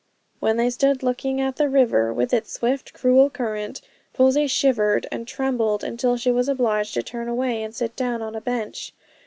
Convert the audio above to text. When they stood looking at the river, with its swift, cruel current, Posy shivered and trembled until she was obliged to turn away and sit down on a bench.